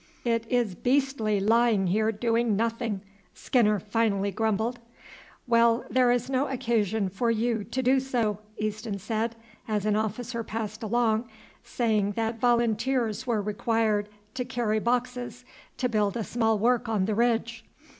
"It is beastly lying here doing nothing," Skinner finally grumbled. "Well, there is no occasion for you to do so," Easton said as an officer passed along saying that volunteers were required to carry boxes to build a small work on the ridge.